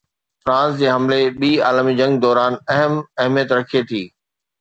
France جي حملي ٻي عالمي جنگ دوران اهم اهميت رکي ٿي.